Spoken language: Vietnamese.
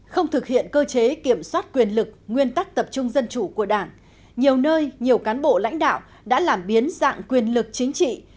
không thực hiện cơ chế kiểm soát quyền lực nguyên tắc tập trung dân chủ của đảng nhiều nơi nhiều cán bộ lãnh đạo đã làm biến dạng quyền lực chính trị